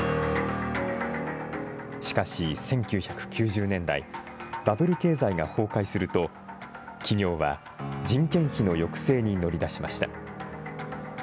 しかし１９９０年代、バブル経済が崩壊すると、企業は人件費の抑制に乗り出しました。